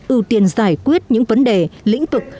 ưu tiên giải quyết những vấn đề lĩnh vực